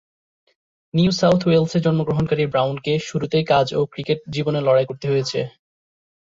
New South ওয়েলসে জন্মগ্রহণকারী ব্রাউনকে শুরুতেই কাজ ও ক্রিকেট জীবনে লড়াই করতে হয়েছে।